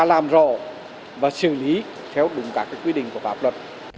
làm rõ và xử lý theo đúng các quy định của pháp luật